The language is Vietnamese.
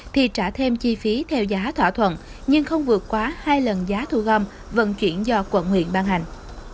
thì trả thêm chi phí theo giá thỏa thuận nhưng không vượt quá hai lần giá thu gom vận chuyển do quận huyện ban hành